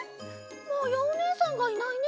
まやおねえさんがいないね。